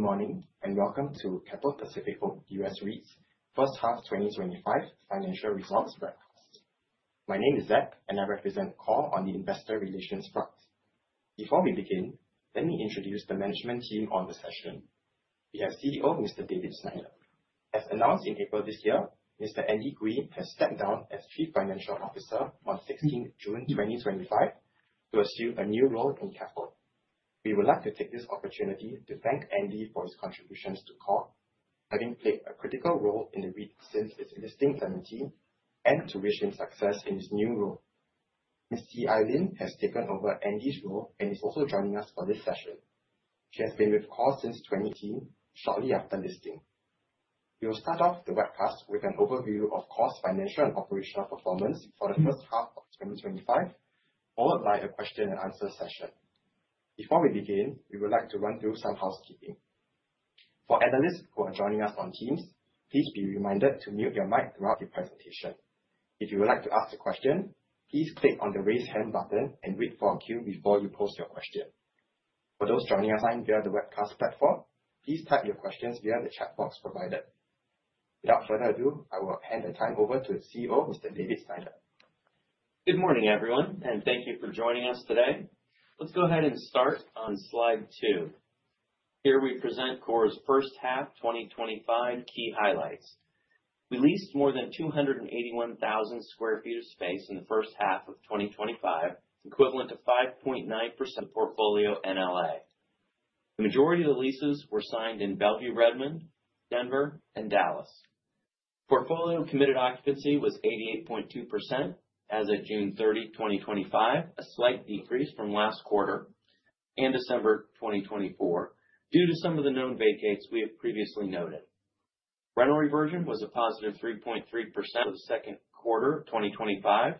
Good morning, and welcome to Keppel Pacific Oak US REIT's first half 2025 financial results broadcast. My name is Zach, and I represent KORE on the investor relations front. Before we begin, let me introduce the management team on the session. We have CEO, Mr. David Snyder. As announced in April this year, Mr. Andy Green has stepped down as Chief Financial Officer on 16th June 2025 to assume a new role in Capital. We would like to take this opportunity to thank Andy for his contributions to KORE, having played a critical role in the REIT since its listing in 2017, and to wish him success in his new role. Ms. See Ai Lin has taken over Andy's role and is also joining us for this session. She has been with KORE since 2017, shortly after listing. We will start off the webcast with an overview of KORE's financial and operational performance for the first half of 2025, followed by a question and answer session. Before we begin, we would like to run through some housekeeping. For analysts who are joining us on Teams, please be reminded to mute your mic throughout the presentation. If you would like to ask a question, please click on the raise hand button and wait for a cue before you pose your question. For those joining us via the webcast platform, please type your questions via the chat box provided. Without further ado, I will hand the time over to CEO, Mr. David Snyder. Good morning, everyone, and thank you for joining us today. Let's go ahead and start on slide two. Here we present KORE's first half 2025 key highlights. We leased more than 281,000 square feet of space in the first half of 2025, equivalent to 5.9% portfolio NLA. The majority of the leases were signed in Bellevue, Redmond, Denver, and Dallas. Portfolio committed occupancy was 88.2% as of June 30, 2025, a slight decrease from last quarter and December 2024 due to some of the known vacates we have previously noted. Rental reversion was a positive 3.3% for the second quarter 2025.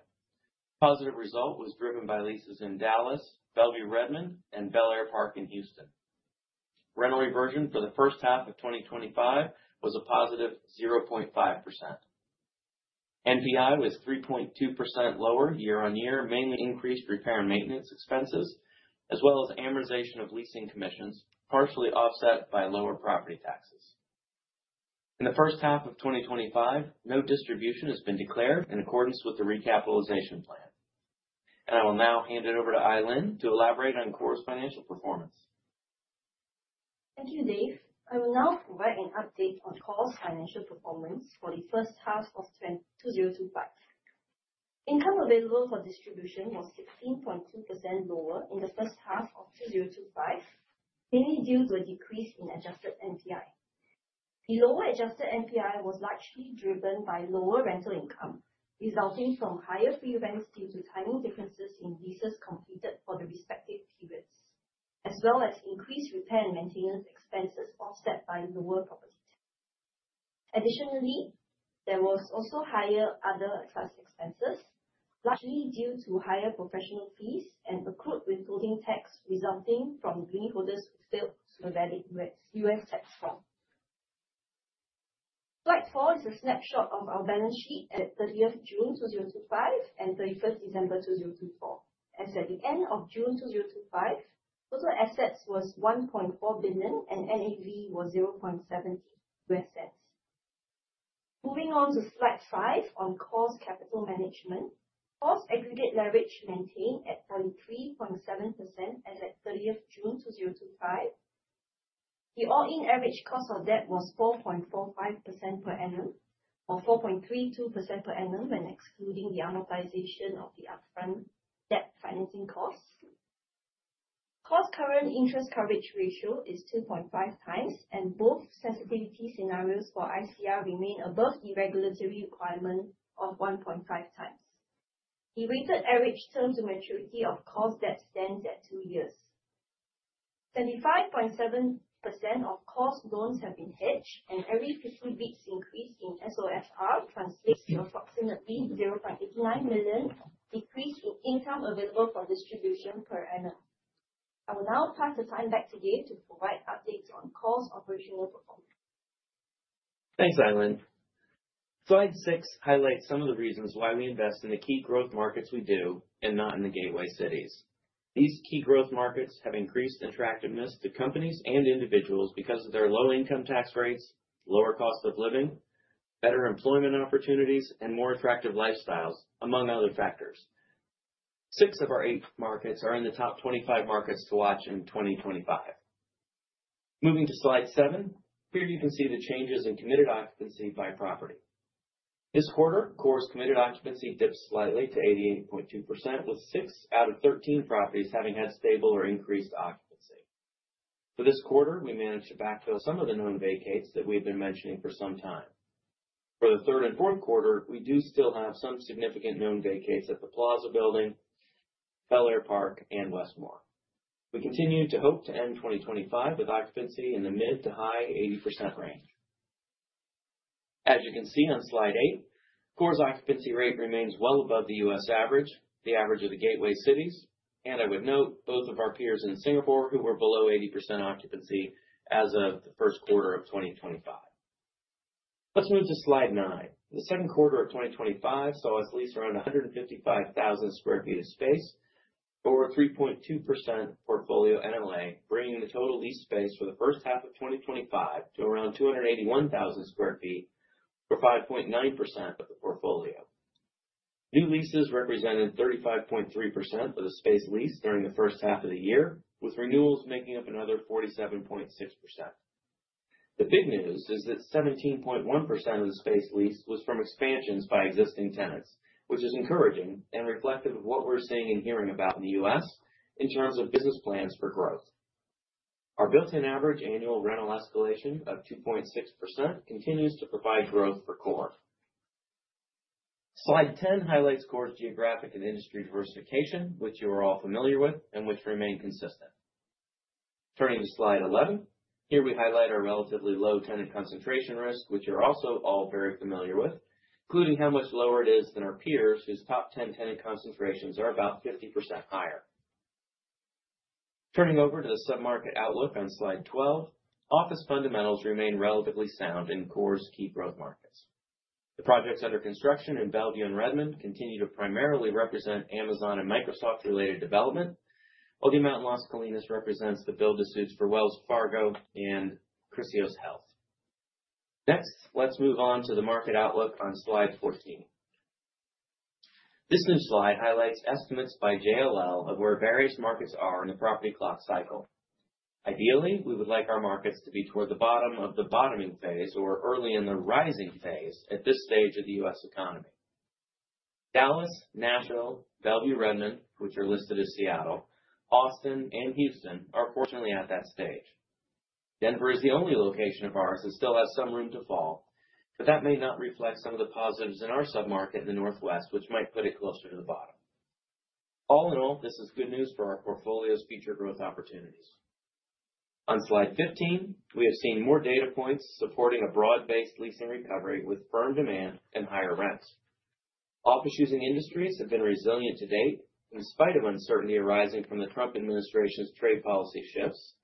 Positive result was driven by leases in Dallas, Bellevue, Redmond, and Bellaire Park in Houston. Rental reversion for the first half of 2025 was a positive 0.5%. NPI was 3.2% lower year-on-year, mainly increased repair and maintenance expenses, as well as amortization of leasing commissions, partially offset by lower property taxes. In the first half of 2025, no distribution has been declared in accordance with the recapitalization plan. I will now hand it over to Ai Ling to elaborate on KORE's financial performance. Thank you, Dave. I will now provide an update on KORE's financial performance for the first half of 2025. Income available for distribution was 16.2% lower in the first half of 2025, mainly due to a decrease in adjusted NPI. The lower adjusted NPI was largely driven by lower rental income, resulting from higher free rents due to timing differences in leases completed for the respective periods, as well as increased repair and maintenance expenses offset by lower property tax. Additionally, there was also higher other trust expenses, largely due to higher professional fees and accrued withholding tax resulting from unitholders who failed to submit their U.S. tax form. Slide four is a snapshot of our balance sheet at thirtieth June 2025 and thirty-first December 2024. As at the end of June 2025, total assets was $1.4 billion and NAV was $0.70. Moving on to slide five on KORE's capital management. KORE's aggregate leverage maintained at 33.7% as at thirtieth June 2025. The all-in average cost of debt was 4.45% per annum or 4.32% per annum when excluding the amortization of the upfront debt financing costs. KORE's current interest coverage ratio is 2.5 times, and both sensitivity scenarios for ICR remain above the regulatory requirement of 1.5 times. The weighted average term to maturity of KORE's debt stands at two years. 75.7% of KORE's loans have been hedged, and every 50 bps increase in SOFR translates to approximately $0.89 million decrease in income available for distribution per annum. I will now pass the time back to Dave to provide updates on KORE's operational performance. Thanks, Ai Ling. Slide six highlights some of the reasons why we invest in the key growth markets we do and not in the gateway cities. These key growth markets have increased attractiveness to companies and individuals because of their low income tax rates, lower cost of living, better employment opportunities, and more attractive lifestyles, among other factors. Six of our eight markets are in the top 25 markets to watch in 2025. Moving to slide seven. Here you can see the changes in committed occupancy by property. This quarter, KORE's committed occupancy dipped slightly to 88.2%, with six out of 13 properties having had stable or increased occupancy. For this quarter, we managed to backfill some of the known vacates that we have been mentioning for some time. For the third and fourth quarter, we do still have some significant known vacates at the Plaza Building, Bellaire Park, and Westmoor. We continue to hope to end 2025 with occupancy in the mid to high 80% range. As you can see on slide eight, KORE's occupancy rate remains well above the U.S. average, the average of the gateway cities, and I would note, both of our peers in Singapore who were below 80% occupancy as of the first quarter of 2025. Let's move to slide nine. The second quarter of 2025 saw us lease around 155,000 sq ft of space or 3.2% portfolio NLA, bringing the total leased space for the first half of 2025 to around 281,000 sq ft or 5.9% of the portfolio. New leases represented 35.3% of the space leased during the first half of the year, with renewals making up another 47.6%. The big news is that 17.1% of the space leased was from expansions by existing tenants, which is encouraging and reflective of what we're seeing and hearing about in the U.S. in terms of business plans for growth. Our built-in average annual rental escalation of 2.6% continues to provide growth for KORE. slide 10 highlights KORE's geographic and industry diversification, which you are all familiar with and which remain consistent. Turning to slide 11. Here we highlight our relatively low tenant concentration risk, which you're also all very familiar with, including how much lower it is than our peers, whose top 10 tenant concentrations are about 50% higher. Turning over to the submarket outlook on slide 12. Office fundamentals remain relatively sound in KORE's key growth markets. The projects under construction in Bellevue and Redmond continue to primarily represent Amazon and Microsoft's related development, while the amount in Los Colinas represents the build-to-suits for Wells Fargo and CHRISTUS Health. Next, let's move on to the market outlook on slide 14. This new slide highlights estimates by JLL of where various markets are in the property clock cycle. Ideally, we would like our markets to be toward the bottom of the bottoming phase or early in the rising phase at this stage of the U.S. economy. Dallas, Nashville, Bellevue, Redmond, which are listed as Seattle, Austin, and Houston, are fortunately at that stage. Denver is the only location of ours that still has some room to fall, but that may not reflect some of the positives in our submarket in the Northwest, which might put it closer to the bottom. All in all, this is good news for our portfolio's future growth opportunities. On slide 15, we have seen more data points supporting a broad-based leasing recovery with firm demand and higher rents. Office using industries have been resilient to date, in spite of uncertainty arising from the Trump administration's trade policy shifts,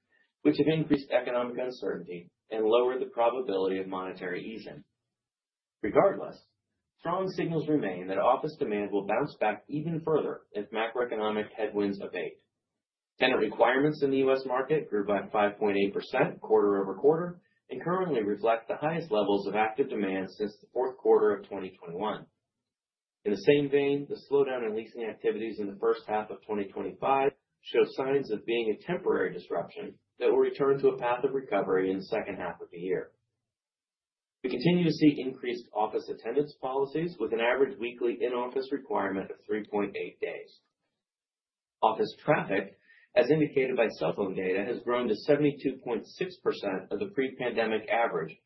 which have increased economic uncertainty and lowered the probability of monetary easing. Regardless, strong signals remain that office demand will bounce back even further if macroeconomic headwinds abate. Tenant requirements in the U.S. market grew by 5.8% quarter-over-quarter, and currently reflect the highest levels of active demand since the fourth quarter of 2021. In the same vein, the slowdown in leasing activities in the first half of 2025 show signs of being a temporary disruption that will return to a path of recovery in the second half of the year. We continue to see increased office attendance policies with an average weekly in-office requirement of 3.8 days. Office traffic, as indicated by cellphone data, has grown to 72.6% of the pre-pandemic average,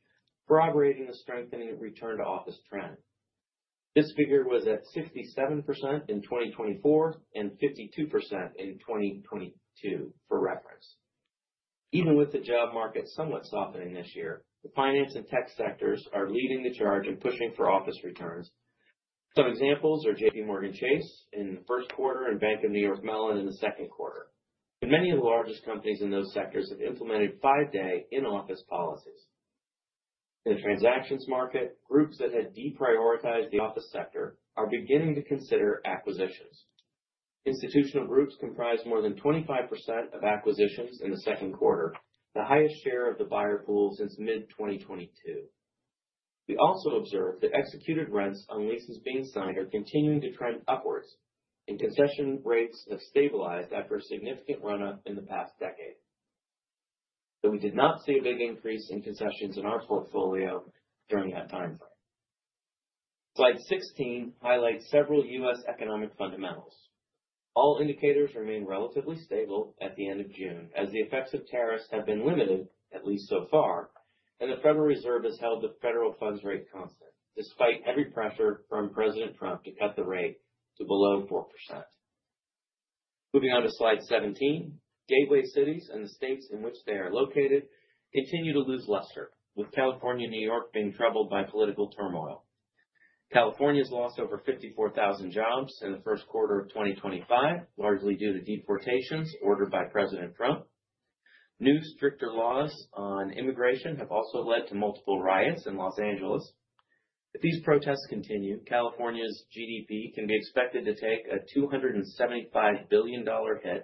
corroborating the strengthening return to office trend. This figure was at 67% in 2024 and 52% in 2022, for reference. Even with the job market somewhat softening this year, the finance and tech sectors are leading the charge in pushing for office returns. Some examples are JPMorgan Chase in the first quarter and Bank of New York Mellon in the second quarter. Many of the largest companies in those sectors have implemented five-day in-office policies. In the transactions market, groups that had deprioritized the office sector are beginning to consider acquisitions. Institutional groups comprise more than 25% of acquisitions in the second quarter, the highest share of the buyer pool since mid-2022. We also observed that executed rents on leases being signed are continuing to trend upwards and concession rates have stabilized after a significant run-up in the past decade. We did not see a big increase in concessions in our portfolio during that time frame. Slide 16 highlights several U.S. economic fundamentals. All indicators remain relatively stable at the end of June as the effects of tariffs have been limited, at least so far, and the Federal Reserve has held the federal funds rate constant, despite every pressure from President Trump to cut the rate to below 4%. Moving on to slide 17. Gateway cities and the states in which they are located continue to lose luster, with California and New York being troubled by political turmoil. California's lost over 54,000 jobs in the first quarter of 2025, largely due to deportations ordered by President Trump. New stricter laws on immigration have also led to multiple riots in Los Angeles. If these protests continue, California's GDP can be expected to take a $275 billion hit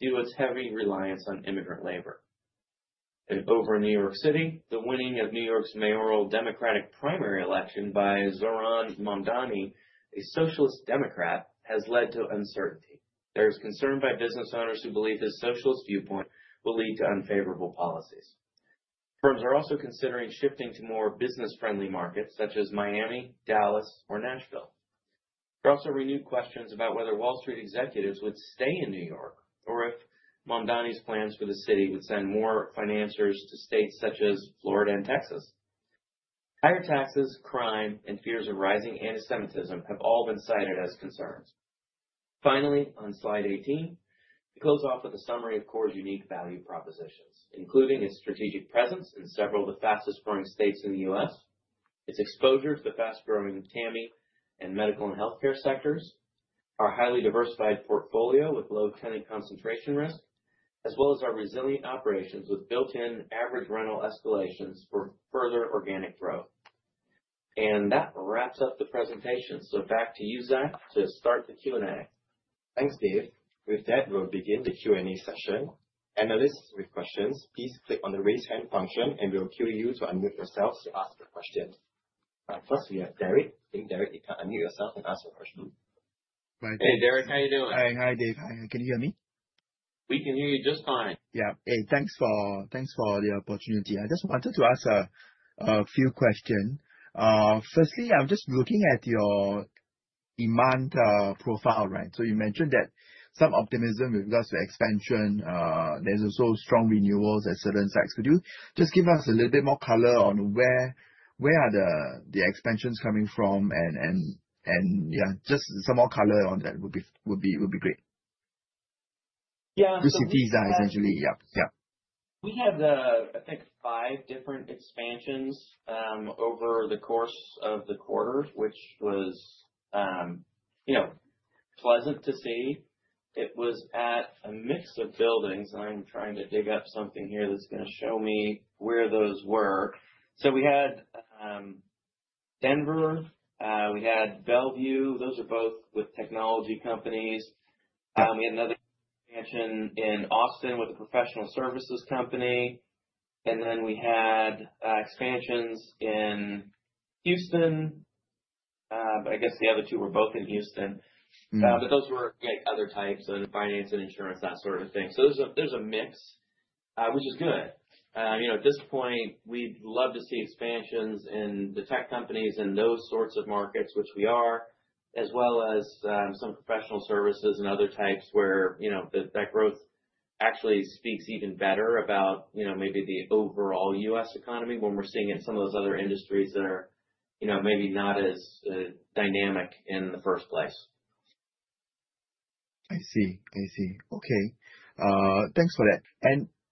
due to its heavy reliance on immigrant labor. Over in New York City, the winning of New York's mayoral Democratic primary election by Zohran Mamdani, a socialist Democrat, has led to uncertainty. There is concern by business owners who believe his socialist viewpoint will lead to unfavorable policies. Firms are also considering shifting to more business-friendly markets such as Miami, Dallas, or Nashville. There are also renewed questions about whether Wall Street executives would stay in New York or if Mamdani's plans for the city would send more financers to states such as Florida and Texas. Higher taxes, crime, and fears of rising antisemitism have all been cited as concerns. Finally, on slide 18, we close off with a summary of KORE's unique value propositions, including its strategic presence in several of the fastest-growing states in the U.S., its exposure to the fast-growing TAMI and medical and healthcare sectors, our highly diversified portfolio with low tenant concentration risk. As well as our resilient operations with built-in average rental escalations for further organic growth. That wraps up the presentation. Back to you, Zach, to start the Q&A. Thanks, Dave. With that, we will begin the Q&A session. Analysts with questions, please click on the raise hand function, and we will cue you to unmute yourselves to ask your questions. First, we have Derek. I think, Derek, you can unmute yourself and ask your question. Hey, Derek. How you doing? Hi, Dave. Can you hear me? We can hear you just fine. Yeah. Hey, thanks for the opportunity. I just wanted to ask a few questions. Firstly, I'm just looking at your demand profile. You mentioned that some optimism with regards to expansion. There is also strong renewals at certain sites. Could you just give us a little bit more color on where are the expansions coming from and just some more color on that would be great. Yeah. recent visa, essentially. Yeah. We had, I think, five different expansions, over the course of the quarter, which was pleasant to see. It was at a mix of buildings, and I'm trying to dig up something here that's going to show me where those were. We had Denver, we had Bellevue. Those are both with technology companies. We had another expansion in Austin with a professional services company, we had expansions in Houston. I guess the other two were both in Houston. Those were other types, so the finance and insurance, that sort of thing. There's a mix, which is good. At this point, we'd love to see expansions in the tech companies and those sorts of markets, which we are, as well as some professional services and other types where that growth actually speaks even better about maybe the overall U.S. economy when we're seeing it in some of those other industries that are maybe not as dynamic in the first place. I see. Okay. Thanks for that.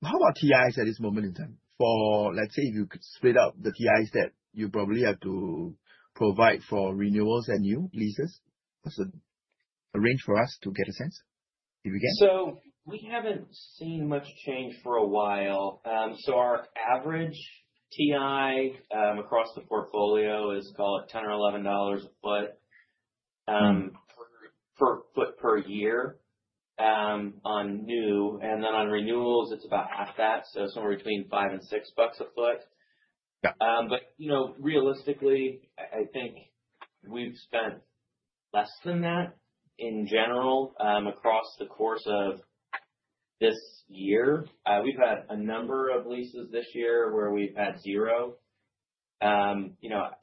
How about TIs at this moment in time? For, let's say, if you could split up the TIs that you probably have to provide for renewals and new leases, what's the range for us to get a sense, if we can? We haven't seen much change for a while. Our average TI, across the portfolio is, call it $10 or $11 a foot- -per foot per year on new, on renewals, it's about half that. Somewhere between five and six bucks a foot. Got it. Realistically, I think we've spent less than that in general, across the course of this year. We've had a number of leases this year where we've had zero. I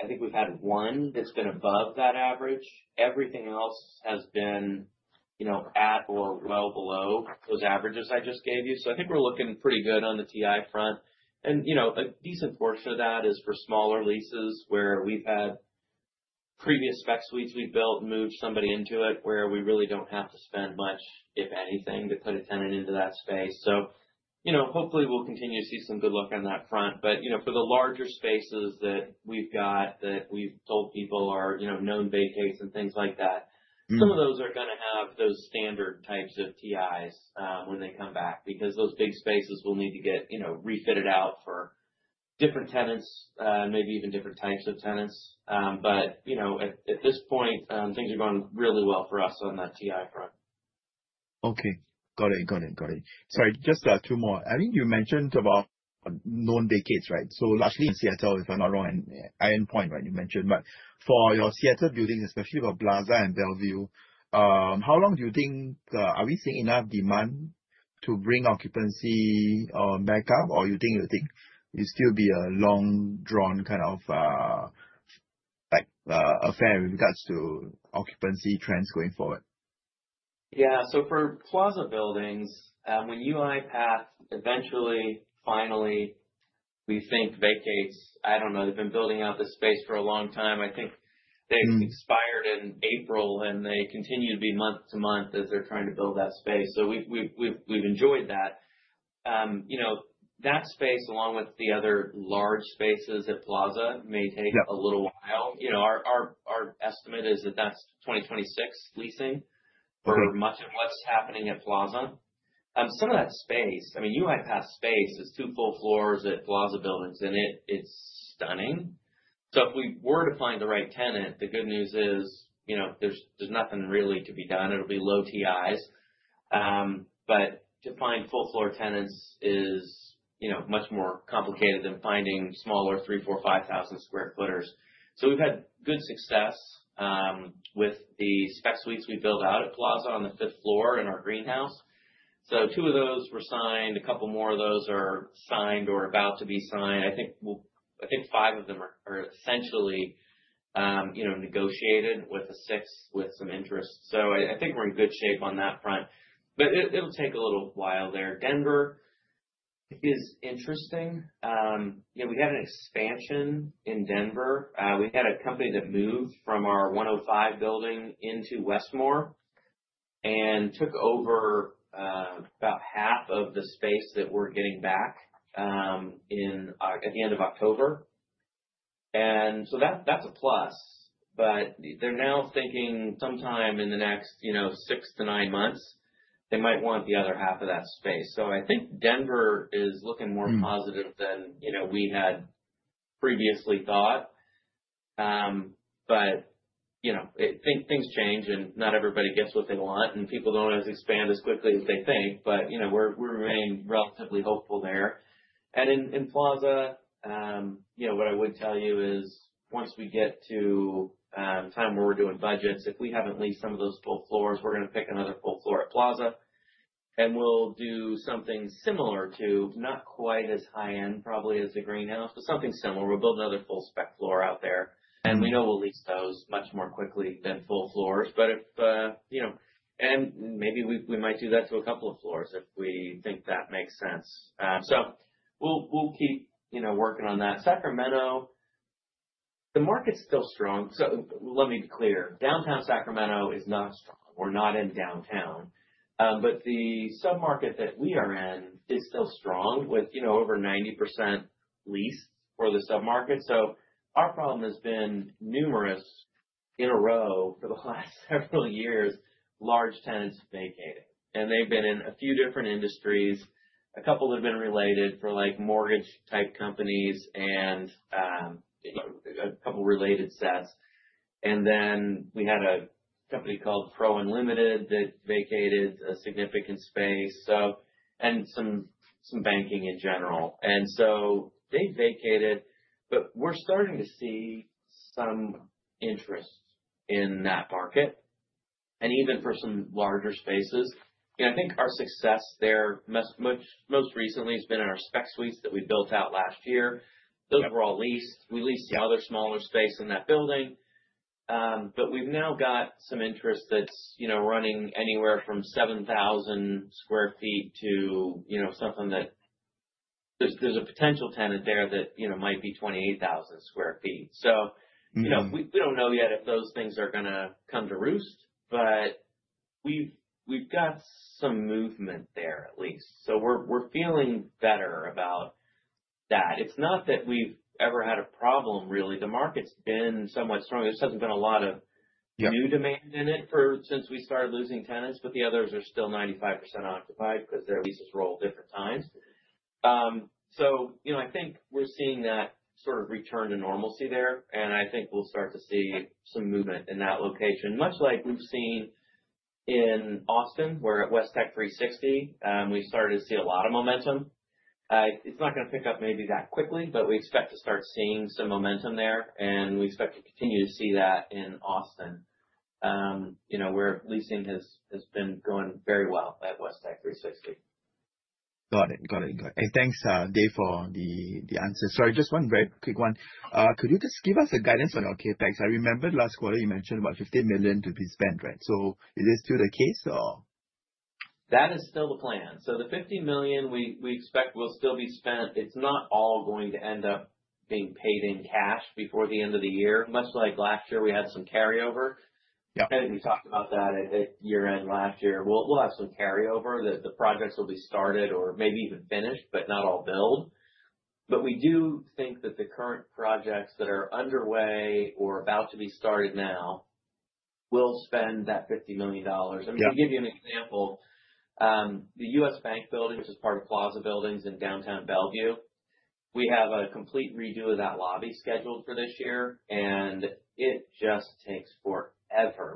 think we've had one that's been above that average. Everything else has been at or well below those averages I just gave you. I think we're looking pretty good on the TI front. A decent portion of that is for smaller leases where we've had previous spec suites we've built, moved somebody into it where we really don't have to spend much, if anything, to put a tenant into that space. Hopefully we'll continue to see some good luck on that front. For the larger spaces that we've got that we've told people are known vacates and things like that. Some of those are going to have those standard types of TIs, when they come back, because those big spaces will need to get refitted out for different tenants, maybe even different types of tenants. At this point, things are going really well for us on that TI front. Okay. Got it. Sorry, just two more. I think you mentioned about known vacates, right? Largely in Seattle, if I'm not wrong, and Iron Point, you mentioned, for your Seattle buildings, especially for Plaza and Bellevue, how long do you think? Are we seeing enough demand to bring occupancy back up? Or you think it'll still be a long drawn kind of affair with regards to occupancy trends going forward? Yeah. For Plaza buildings, when UiPath eventually, finally, we think vacates, I don't know, they've been building out this space for a long time. I think they've expired in April, and they continue to be month to month as they're trying to build that space. We've enjoyed that. That space, along with the other large spaces at Plaza, may take. Yeah a little while. Our estimate is that that's 2026 leasing for much of what's happening at Plaza. Some of that space, UiPath space is two full floors at Plaza buildings, and it is stunning. If we were to find the right tenant, the good news is, there's nothing really to be done. It'll be low TIs. To find full floor tenants is much more complicated than finding smaller three, four, 5,000 square footers. We've had good success, with the spec suites we built out at Plaza on the fifth floor in our Greenhouse. Two of those were signed. A couple more of those are signed or about to be signed. Five of them are essentially negotiated with a six with some interest. I think we're in good shape on that front. It'll take a little while there. Denver is interesting. We had an expansion in Denver. We had a company that moved from our 105 building into Westmoor and took over about half of the space that we're getting back at the end of October. That's a plus. They're now thinking sometime in the next six to nine months, they might want the other half of that space. I think Denver is looking more positive than we had previously thought. Things change, and not everybody gets what they want, and people don't always expand as quickly as they think. We remain relatively hopeful there. In Plaza, what I would tell you is once we get to the time where we're doing budgets, if we haven't leased some of those full floors, we're going to pick another full floor at Plaza, and we'll do something similar to, not quite as high-end probably as The Greenhouse, but something similar. We'll build another full spec floor out there. We know we'll lease those much more quickly than full floors. Maybe we might do that to a couple of floors if we think that makes sense. We'll keep working on that. Sacramento, the market's still strong. Let me be clear. Downtown Sacramento is not strong. We're not in downtown. The sub-market that we are in is still strong with over 90% leased for the sub-market. Our problem has been numerous, in a row, for the last several years, large tenants vacated. They've been in a few different industries. A couple have been related for mortgage-type companies and a couple related sets. Then we had a company called PRO Unlimited that vacated a significant space. Some banking in general. They vacated, but we're starting to see some interest in that market, and even for some larger spaces. I think our success there, most recently, has been in our spec suites that we built out last year. Those were all leased. We leased the other smaller space in that building. We've now got some interest that's running anywhere from 7,000 square feet to something that There's a potential tenant there that might be 28,000 square feet. We don't know yet if those things are going to come to roost, we've got some movement there at least. We're feeling better about that. It's not that we've ever had a problem, really. The market's been somewhat strong. There just hasn't been a lot of new demand in it since we started losing tenants, but the others are still 95% occupied because their leases roll at different times. I think we're seeing that sort of return to normalcy there, and I think we'll start to see some movement in that location, much like we've seen in Austin. We're at Westech 360. We've started to see a lot of momentum. It's not going to pick up maybe that quickly, but we expect to start seeing some momentum there, and we expect to continue to see that in Austin, where leasing has been going very well at Westech 360. Got it. Thanks, Dave, for the answers. Sorry, just one very quick one. Could you just give us a guidance on your CapEx? I remember last quarter you mentioned about $50 million to be spent, right? Is this still the case, or? That is still the plan. The $50 million, we expect will still be spent. It's not all going to end up being paid in cash before the end of the year. Much like last year, we had some carryover. Yep. I think we talked about that at year-end last year. We'll have some carryover that the projects will be started or maybe even finished, but not all billed. We do think that the current projects that are underway or about to be started now will spend that $50 million. Yeah. I mean, to give you an example, the U.S. Bank building, which is part of Plaza Buildings in downtown Bellevue, we have a complete redo of that lobby scheduled for this year, and it just takes forever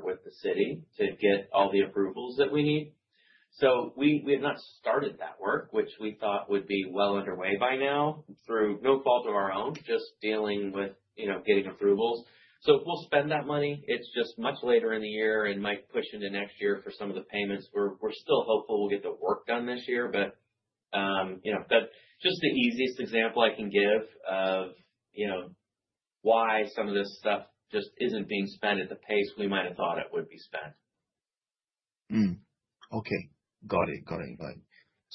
with the city to get all the approvals that we need. We have not started that work, which we thought would be well underway by now, through no fault of our own, just dealing with getting approvals. We'll spend that money. It's just much later in the year and might push into next year for some of the payments. We're still hopeful we'll get the work done this year, but that's just the easiest example I can give of why some of this stuff just isn't being spent at the pace we might have thought it would be spent. Hmm. Okay. Got it.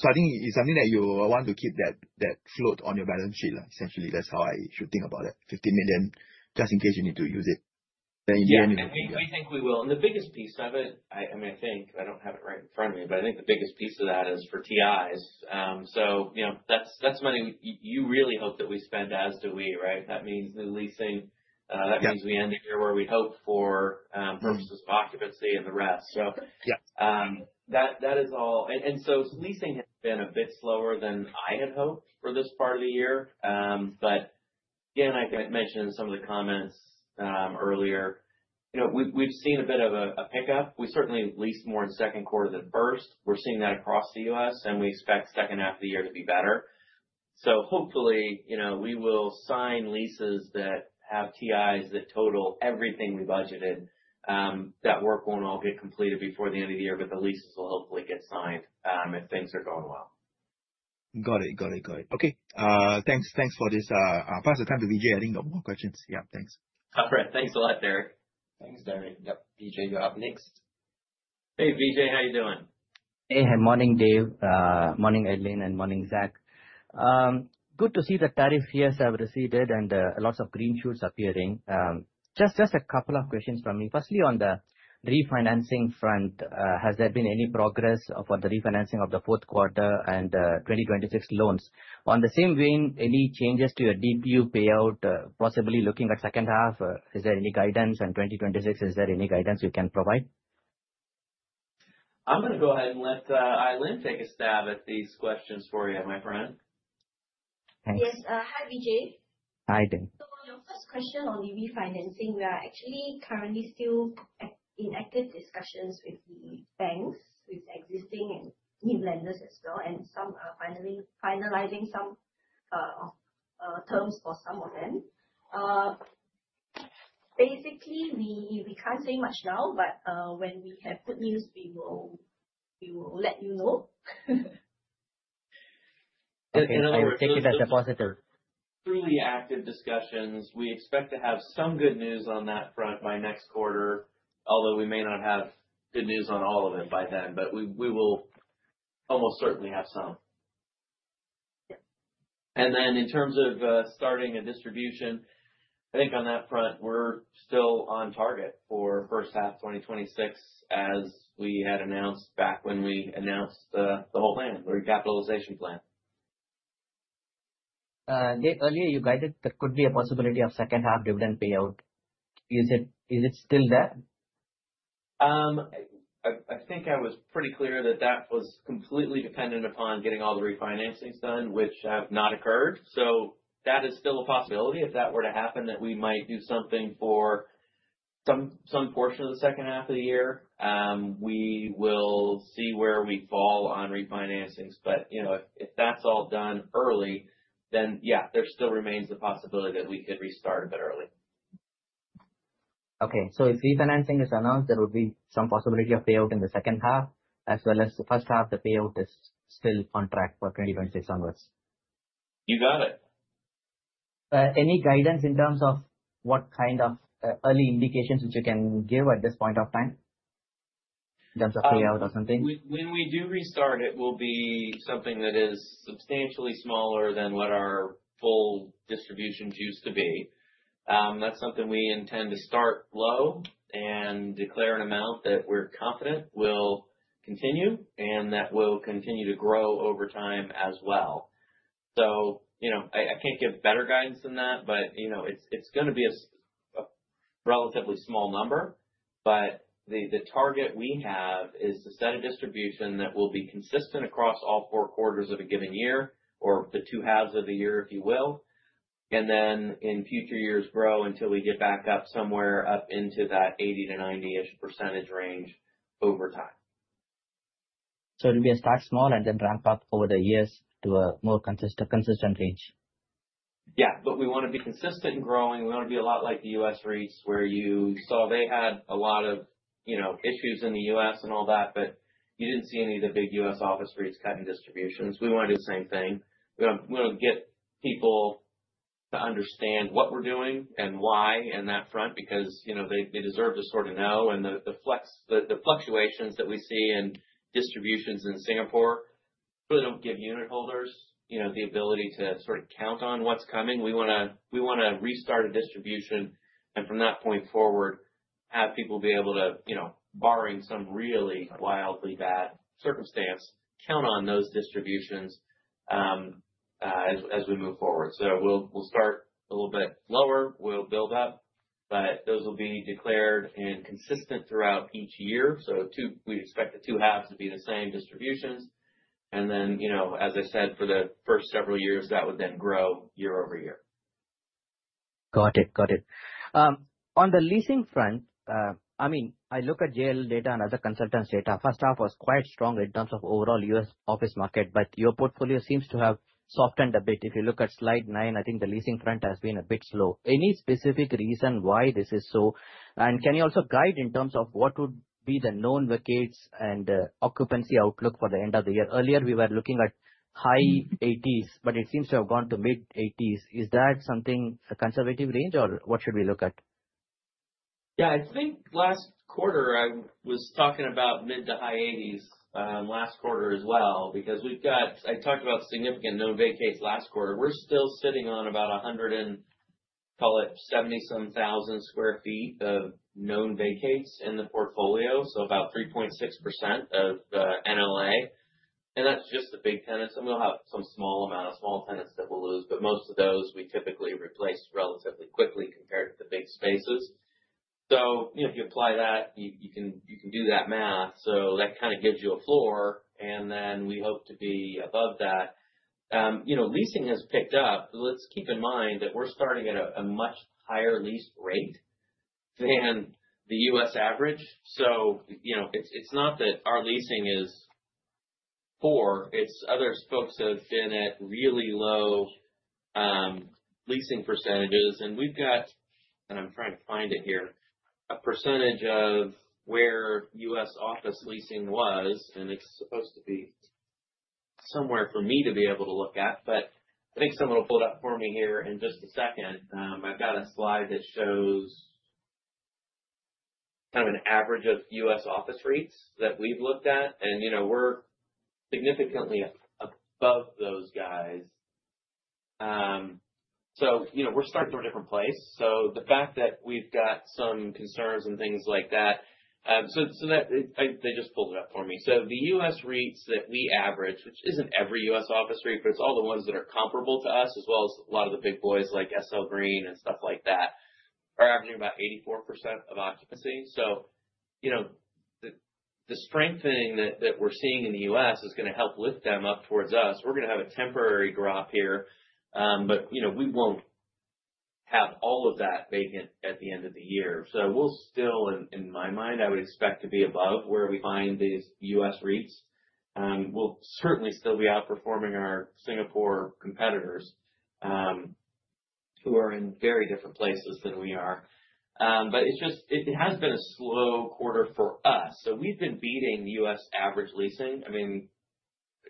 I think it's something that you want to keep that float on your balance sheet. Essentially, that's how I should think about that $50 million, just in case you need to use it. We think we will. The biggest piece of it, I think, I don't have it right in front of me, but I think the biggest piece of that is for TIs. That's money you really hope that we spend, as do we, right? That means new leasing. Yeah. That means we end the year where we hope for in terms of occupancy and the rest. Yeah. Leasing has been a bit slower than I had hoped for this part of the year. Again, I mentioned in some of the comments earlier, we've seen a bit of a pickup. We certainly leased more in the second quarter than first. We're seeing that across the U.S., and we expect the second half of the year to be better. Hopefully, we will sign leases that have TIs that total everything we budgeted. That work won't all get completed before the end of the year, but the leases will hopefully get signed if things are going well. Got it. Okay. Thanks for this. I'll pass the time to Vijay. I think I have more questions. Yeah, thanks. No fret. Thanks a lot, Derek. Thanks, Derek. Yep, Vijay, you're up next. Hey, Vijay. How you doing? Hey. Morning, Dave. Morning, Eileen, and morning, Zach. Good to see the tariff fears have receded and lots of green shoots appearing. Just a couple of questions from me. Firstly, on the refinancing front, has there been any progress for the refinancing of the fourth quarter and 2026 loans? On the same vein, any changes to your DPU payout, possibly looking at the second half? Is there any guidance in 2026? Is there any guidance you can provide? I'm going to go ahead and let Ai Lin take a stab at these questions for you, my friend. Thanks. Yes. Hi, Vijay. Hi, there. On your first question on the refinancing, we are actually currently still in active discussions with the banks, with existing and new lenders as well, and finalizing some terms for some of them. Basically, we can't say much now, but when we have good news, we will let you know. Okay. I will take it as a positive. Truly active discussions. We expect to have some good news on that front by next quarter, although we may not have good news on all of it by then. We will almost certainly have some. Yeah. In terms of starting a distribution, I think on that front, we're still on target for first half 2026, as we had announced back when we announced the whole plan, the recapitalization plan. Earlier you guided there could be a possibility of second half dividend payout. Is it still there? I think I was pretty clear that that was completely dependent upon getting all the refinancings done, which have not occurred. That is still a possibility, if that were to happen, that we might do something for some portion of the second half of the year. We will see where we fall on refinancings. If that's all done early, yeah, there still remains the possibility that we could restart a bit early. Okay. If refinancing is announced, there will be some possibility of payout in the second half as well as the first half the payout is still on track for 2026 onwards. You got it. Any guidance in terms of what kind of early indications which you can give at this point of time in terms of payout or something? When we do restart, it will be something that is substantially smaller than what our full distributions used to be. That's something we intend to start low and declare an amount that we're confident will continue and that will continue to grow over time as well. I can't give better guidance than that, but it's going to be a relatively small number. The target we have is to set a distribution that will be consistent across all 4 quarters of a given year or the 2 halves of the year, if you will. In future years, grow until we get back up somewhere up into that 80-90ish% range over time. It will be a start small and then ramp up over the years to a more consistent range. Yeah. We want to be consistent and growing. We want to be a lot like the U.S. REITs where you saw they had a lot of issues in the U.S. and all that, but you didn't see any of the big U.S. office REITs cutting distributions. We want to do the same thing. We want to get people to understand what we're doing and why in that front, because they deserve to know. The fluctuations that we see in distributions in Singapore really don't give unit holders the ability to count on what's coming. We want to restart a distribution, and from that point forward, have people be able to, barring some really wildly bad circumstance, count on those distributions as we move forward. We'll start a little bit lower. We'll build up, but those will be declared and consistent throughout each year. We expect the 2 halves to be the same distributions. As I said, for the first several years, that would then grow year-over-year. Got it. On the leasing front, I look at JLL data and other consultants' data. First half was quite strong in terms of overall U.S. office market, but your portfolio seems to have softened a bit. If you look at slide nine, I think the leasing front has been a bit slow. Any specific reason why this is so? Can you also guide in terms of what would be the known vacates and occupancy outlook for the end of the year? Earlier, we were looking at high 80s, but it seems to have gone to mid-80s. Is that something, it's a conservative range or what should we look at? Yeah. I think last quarter, I was talking about mid- to high 80s, last quarter as well, because I talked about significant known vacates last quarter. We're still sitting on about, call it 170 some thousand square feet of known vacates in the portfolio, so about 3.6% of NLA. That's just the big tenants. We'll have some small amount of small tenants that we'll lose, but most of those we typically replace relatively quickly compared to the big spaces. If you apply that, you can do that math. That kind of gives you a floor, and then we hope to be above that. Leasing has picked up. Let's keep in mind that we're starting at a much higher lease rate than the U.S. average. It's not that our leasing is poor, it's other folks that have been at really low leasing percentages. We've got, and I'm trying to find it here, a percentage of where U.S. office leasing was, and it's supposed to be somewhere for me to be able to look at. I think someone will pull it up for me here in just a second. I've got a slide that shows an average of U.S. office REITs that we've looked at, and we're significantly above those guys. The fact that we've got some concerns and things like that. They just pulled it up for me. The U.S. REITs that we average, which isn't every U.S. office REIT, but it's all the ones that are comparable to us, as well as a lot of the big boys like SL Green and stuff like that. Are averaging about 84% of occupancy. The strengthening that we're seeing in the U.S. is going to help lift them up towards us. We're going to have a temporary drop here, but we won't have all of that vacant at the end of the year. We'll still, in my mind, I would expect to be above where we find these U.S. REITs. We'll certainly still be outperforming our Singapore competitors, who are in very different places than we are. It has been a slow quarter for us. We've been beating the U.S. average leasing,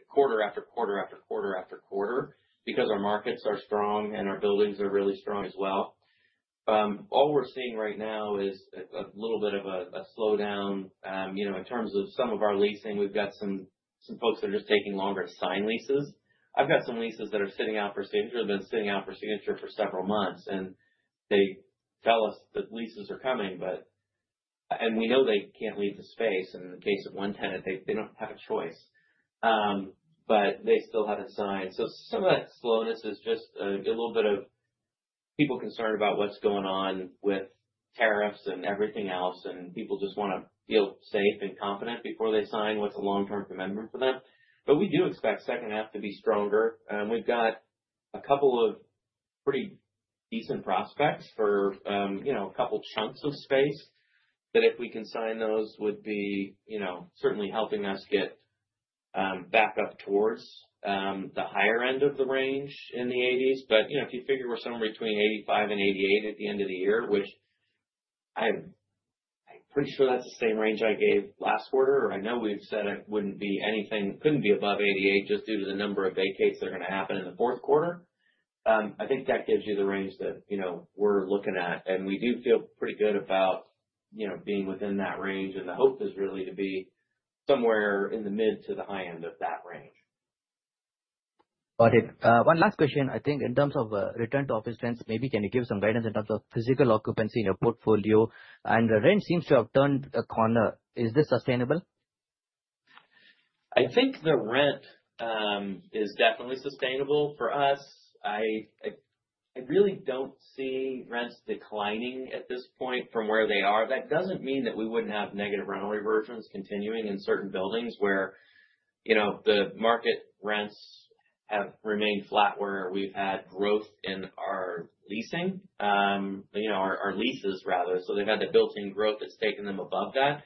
quarter after quarter after quarter after quarter because our markets are strong and our buildings are really strong as well. All we're seeing right now is a little bit of a slowdown. In terms of some of our leasing, we've got some folks that are just taking longer to sign leases. I've got some leases that are sitting out for signature, have been sitting out for signature for several months, and they tell us that leases are coming, and we know they can't leave the space in the case of one tenant, they don't have a choice, but they still haven't signed. Some of that slowness is just a little bit of people concerned about what's going on with tariffs and everything else, and people just want to feel safe and confident before they sign what's a long-term commitment for them. We do expect second half to be stronger. We've got a couple of pretty decent prospects for a couple chunks of space that if we can sign those would be certainly helping us get back up towards the higher end of the range in the 80s. If you figure we're somewhere between 85 and 88 at the end of the year, which I'm pretty sure that's the same range I gave last quarter, or I know we had said it couldn't be above 88 just due to the number of vacates that are going to happen in the fourth quarter. I think that gives you the range that we're looking at, and we do feel pretty good about being within that range, and the hope is really to be somewhere in the mid to the high end of that range. Got it. One last question. I think in terms of return to office rents, maybe can you give some guidance in terms of physical occupancy in your portfolio? The rent seems to have turned a corner. Is this sustainable? I think the rent is definitely sustainable for us. I really don't see rents declining at this point from where they are. That doesn't mean that we wouldn't have negative rental reversions continuing in certain buildings where the market rents have remained flat, where we've had growth in our leasing, our leases rather. They've had that built-in growth that's taken them above that.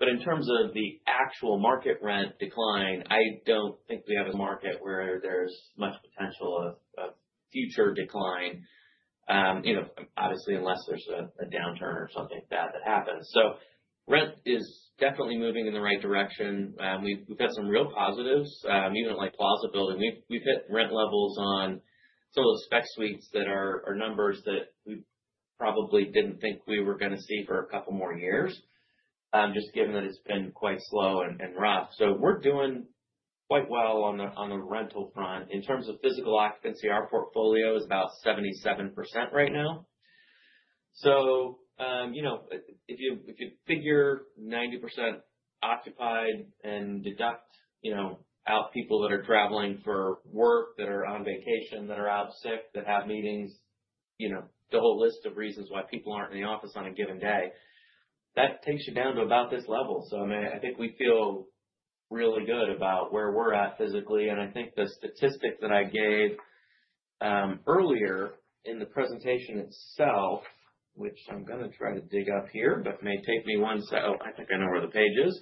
In terms of the actual market rent decline, I don't think we have a market where there's much potential of future decline, obviously, unless there's a downturn or something like that that happens. Rent is definitely moving in the right direction. We've got some real positives, even at Plaza Building. We've hit rent levels on some of those spec suites that are numbers that we probably didn't think we were going to see for a couple more years, just given that it's been quite slow and rough. We're doing quite well on the rental front. In terms of physical occupancy, our portfolio is about 77% right now. If you figure 90% occupied and deduct out people that are traveling for work, that are on vacation, that are out sick, that have meetings, the whole list of reasons why people aren't in the office on a given day, that takes you down to about this level. I think we feel really good about where we're at physically, and I think the statistic that I gave earlier in the presentation itself, which I'm going to try to dig up here, but may take me one sec. I think I know where the page is.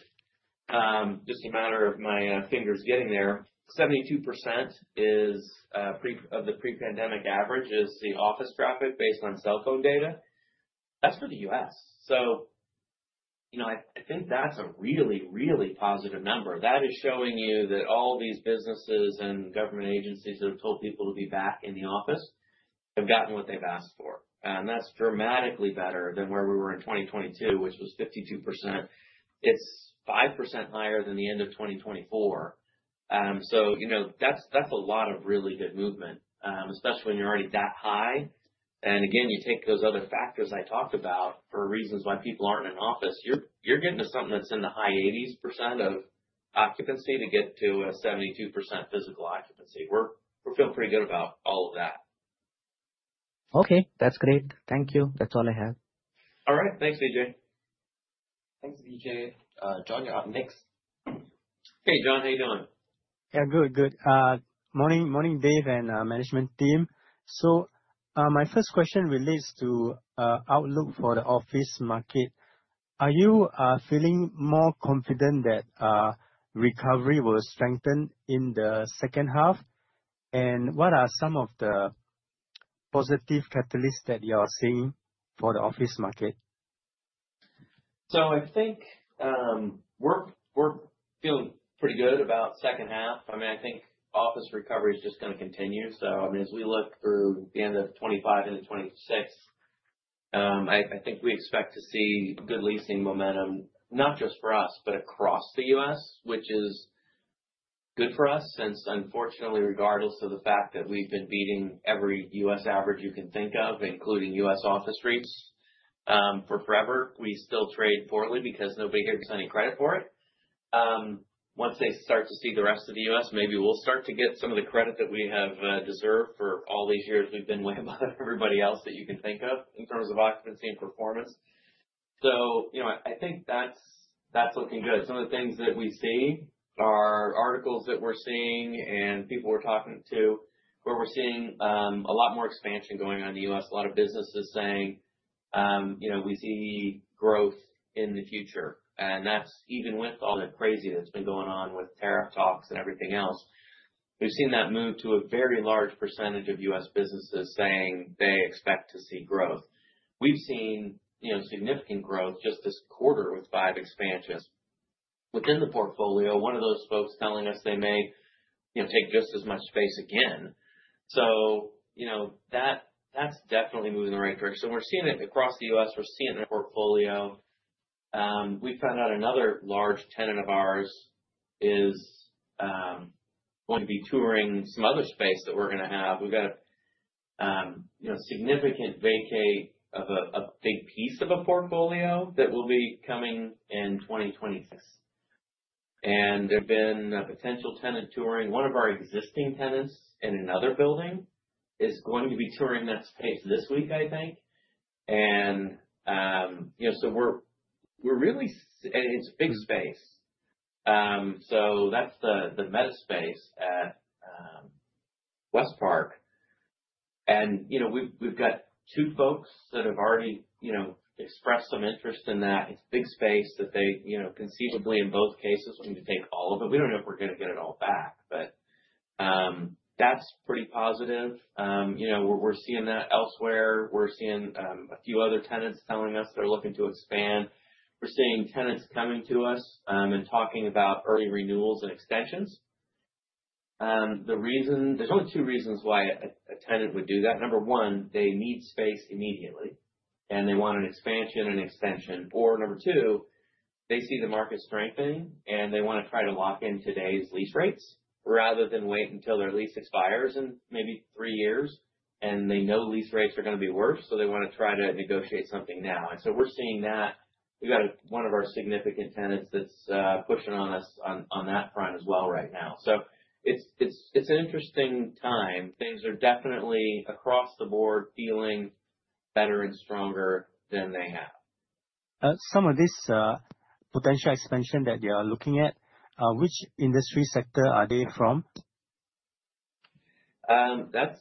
Just a matter of my fingers getting there. 72% of the pre-pandemic average is the office traffic based on cell phone data. That's for the U.S. I think that's a really, really positive number. That is showing you that all these businesses and government agencies that have told people to be back in the office have gotten what they've asked for. That's dramatically better than where we were in 2022, which was 52%. It's 5% higher than the end of 2024. That's a lot of really good movement, especially when you're already that high. Again, you take those other factors I talked about for reasons why people aren't in an office, you're getting to something that's in the high 80s% of occupancy to get to a 72% physical occupancy. We feel pretty good about all of that. Okay. That's great. Thank you. That's all I have. All right. Thanks, AJ. Thanks, AJ. John, you're up next. Hey, John, how you doing? Yeah, good. Morning, Dave and management team. My first question relates to outlook for the office market. Are you feeling more confident that recovery will strengthen in the second half? What are some of the positive catalysts that you are seeing for the office market? I think we're feeling pretty good about second half. I think office recovery is just going to continue. As we look through the end of 2025 into 2026, I think we expect to see good leasing momentum, not just for us, but across the U.S., which is good for us since unfortunately, regardless of the fact that we've been beating every U.S. average you can think of, including U.S. office REITs for forever, we still trade poorly because nobody gives us any credit for it. Once they start to see the rest of the U.S., maybe we'll start to get some of the credit that we have deserved for all these years we've been way above everybody else that you can think of in terms of occupancy and performance. I think that's looking good. Some of the things that we see are articles that we're seeing and people we're talking to, where we're seeing a lot more expansion going on in the U.S. A lot of businesses saying, we see growth in the future. That's even with all the crazy that's been going on with tariff talks and everything else. We've seen that move to a very large percentage of U.S. businesses saying they expect to see growth. We've seen significant growth just this quarter with five expansions. Within the portfolio, one of those folks telling us they may take just as much space again. That's definitely moving in the right direction. We're seeing it across the U.S., we're seeing it in our portfolio. We found out another large tenant of ours is going to be touring some other space that we're going to have. We've got a significant vacate of a big piece of a portfolio that will be coming in 2026. There's been a potential tenant touring. One of our existing tenants in another building is going to be touring that space this week, I think. It's big space. That's the Meta space at West Park. We've got two folks that have already expressed some interest in that. It's big space that they conceivably, in both cases, want to take all of it. We don't know if we're going to get it all back, but that's pretty positive. We're seeing that elsewhere. We're seeing a few other tenants telling us they're looking to expand. We're seeing tenants coming to us and talking about early renewals and extensions. There's only two reasons why a tenant would do that. Number one, they need space immediately, they want an expansion and extension. Number two, they see the market strengthening, they want to try to lock in today's lease rates rather than wait until their lease expires in maybe three years, they know lease rates are going to be worse, they want to try to negotiate something now. We're seeing that. We've got one of our significant tenants that's pushing on us on that front as well right now. It's an interesting time. Things are definitely, across the board, feeling better and stronger than they have. Some of this potential expansion that you are looking at, which industry sector are they from? That's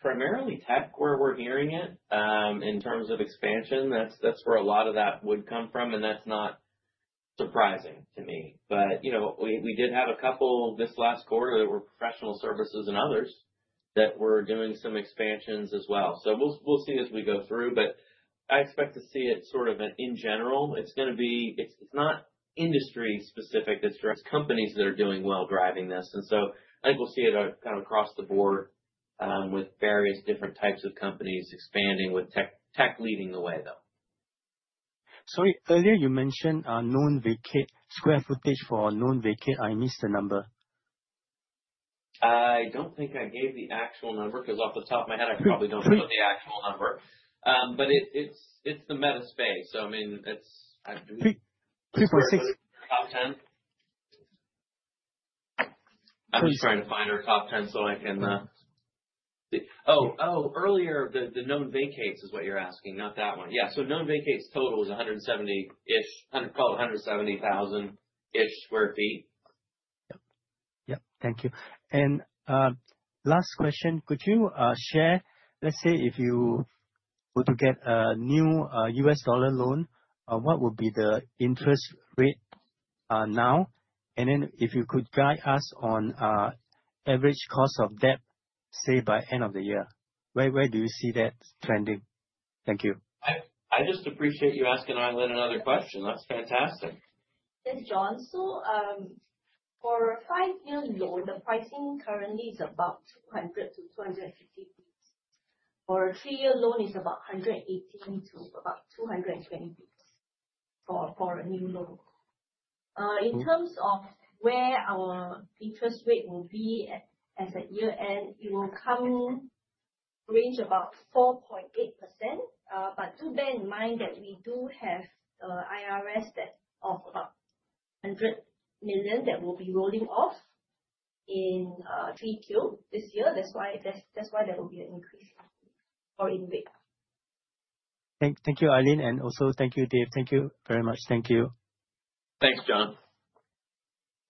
primarily tech where we're hearing it. In terms of expansion, that's where a lot of that would come from, and that's not surprising to me. We did have a couple this last quarter that were professional services and others that were doing some expansions as well. We'll see as we go through, but I expect to see it sort of in general. It's not industry specific. It's companies that are doing well driving this. I think we'll see it kind of across the board with various different types of companies expanding, with tech leading the way, though. Sorry. Earlier you mentioned known vacate square footage for known vacate. I missed the number. I don't think I gave the actual number because off the top of my head, I probably don't know the actual number. It's the Meta space. 3.6. Top 10? I'm just trying to find our top 10, so I can earlier. The known vacates is what you're asking, not that one. Yeah. Known vacates total is 170-ish, call it 170,000-ish square feet. Yep. Thank you. Last question. Could you share, let's say, if you were to get a new US dollar loan, what would be the interest rate now? If you could guide us on average cost of debt, say by end of the year. Where do you see that trending? Thank you. I just appreciate you asking Eileen another question. That's fantastic. Yes, John. For a five-year loan, the pricing currently is about 200 to 250 BPS. For a three-year loan, it's about 118 to about 220 BPS for a new loan. In terms of where our interest rate will be at the year-end, it will range about 4.8%. Do bear in mind that we do have IRS of about $100 million that will be rolling off in 3Q this year. That's why there will be an increase in rate. Thank you, Eileen, and also thank you, Dave. Thank you very much. Thank you. Thanks, John.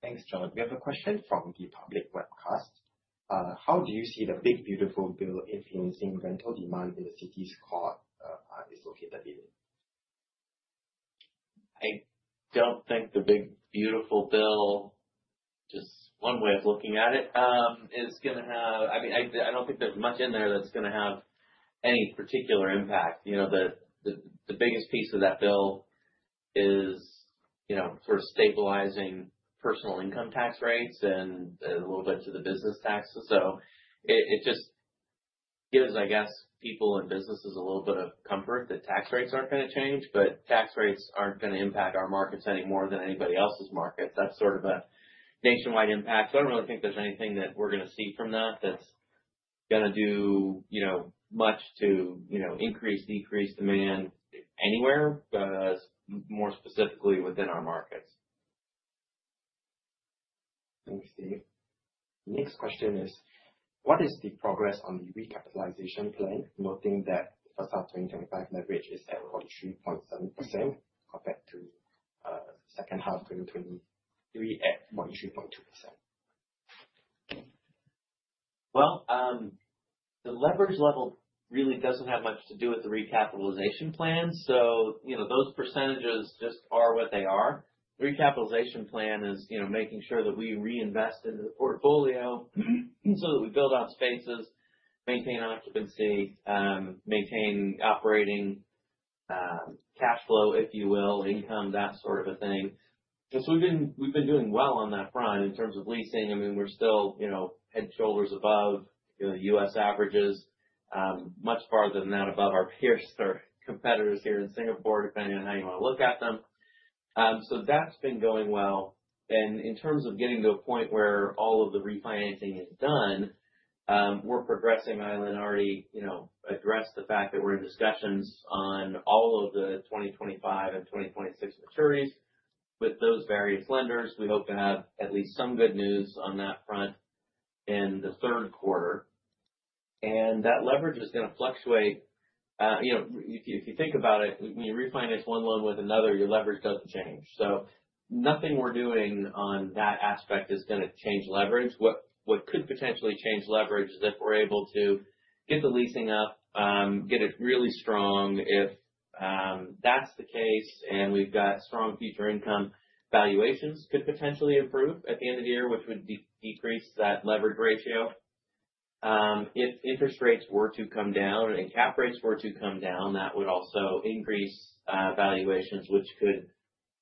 Thanks, John. We have a question from the public webcast. How do you see the Build Back Better Act influencing rental demand in the cities core it's located in? I don't think the Big Beautiful Bill, just one way of looking at it, I don't think there's much in there that's going to have any particular impact. The biggest piece of that bill is sort of stabilizing personal income tax rates and a little bit to the business taxes. It just gives, I guess, people and businesses a little bit of comfort that tax rates aren't going to change, tax rates aren't going to impact our markets any more than anybody else's markets. That's sort of a nationwide impact. I don't really think there's anything that we're going to see from that that's going to do much to increase, decrease demand anywhere, but more specifically within our markets. Thanks, Dave. Next question is: What is the progress on the recapitalization plan, noting that the first half 2025 leverage is at 43.7% compared to second half 2023 at 43.2%? The leverage level really doesn't have much to do with the recapitalization plan. Those percentages just are what they are. The recapitalization plan is making sure that we reinvest into the portfolio so that we build out spaces, maintain occupancy, maintain operating cash flow, if you will, income, that sort of a thing. We've been doing well on that front in terms of leasing. I mean, we're still head and shoulders above U.S. averages, much farther than that above our peers or competitors here in Singapore, depending on how you want to look at them. That's been going well. In terms of getting to a point where all of the refinancing is done, we're progressing. Ai Lin already addressed the fact that we're in discussions on all of the 2025 and 2026 maturities with those various lenders. We hope to have at least some good news on that front in the third quarter. That leverage is going to fluctuate. If you think about it, when you refinance one loan with another, your leverage doesn't change. Nothing we're doing on that aspect is going to change leverage. What could potentially change leverage is if we're able to get the leasing up, get it really strong. If that's the case and we've got strong future income, valuations could potentially improve at the end of the year, which would decrease that leverage ratio. If interest rates were to come down and cap rates were to come down, that would also increase valuations, which could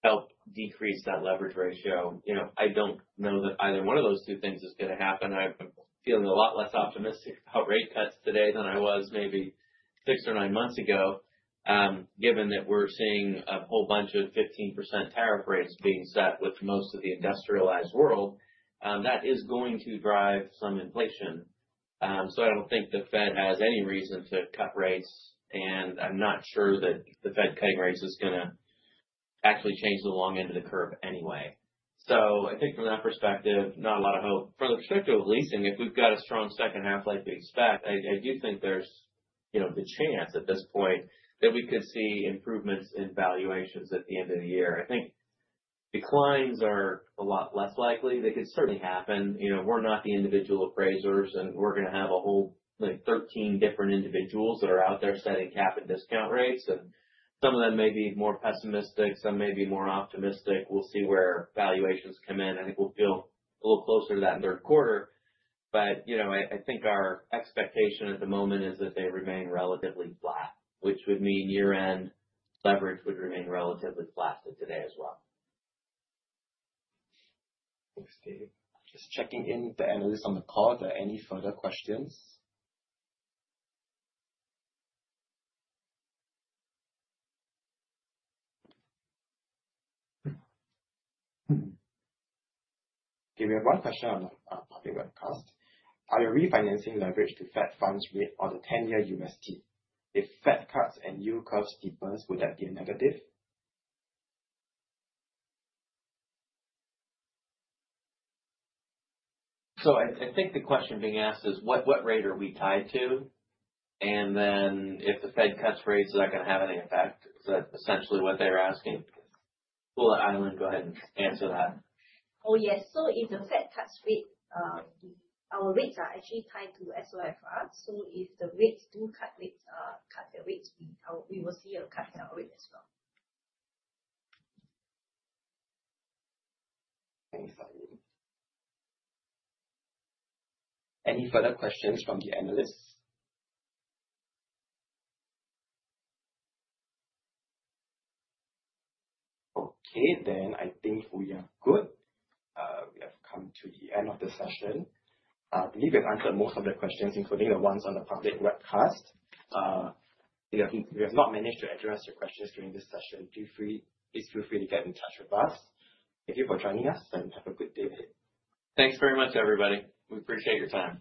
help decrease that leverage ratio. I don't know that either one of those two things is going to happen. I'm feeling a lot less optimistic about rate cuts today than I was maybe six or nine months ago. Given that we're seeing a whole bunch of 15% tariff rates being set with most of the industrialized world, that is going to drive some inflation. I don't think the Fed has any reason to cut rates, and I'm not sure that the Fed cutting rates is going to actually change the long end of the curve anyway. From that perspective, not a lot of hope. From the perspective of leasing, if we've got a strong second half like we expect, I do think there's the chance at this point that we could see improvements in valuations at the end of the year. I think declines are a lot less likely. They could certainly happen. We're not the individual appraisers, and we're going to have a whole 13 different individuals that are out there setting cap and discount rates, and some of them may be more pessimistic, some may be more optimistic. We'll see where valuations come in. I think we'll feel a little closer to that in the third quarter. I think our expectation at the moment is that they remain relatively flat, which would mean year-end leverage would remain relatively flat to today as well. Thanks, Dave. Just checking in with the analysts on the call. Are there any further questions? Okay, we have one question on the public webcast. Are you refinancing leverage to Fed funds rate or the 10-year UST? If Fed cuts and yield curves steepens, would that be a negative? I think the question being asked is what rate are we tied to? If the Fed cuts rates, is that going to have any effect? Is that essentially what they're asking? We'll let Ai Ling go ahead and answer that. Oh, yes. If the Fed cuts rate, our rates are actually tied to SOFR. If the Feds do cut their rates, we will see a cut in our rate as well. Thanks, Ai Ling. Any further questions from the analysts? I think we are good. We have come to the end of the session. I believe we've answered most of the questions, including the ones on the public webcast. If we have not managed to address your questions during this session, please feel free to get in touch with us. Thank you for joining us and have a good day. Thanks very much, everybody. We appreciate your time.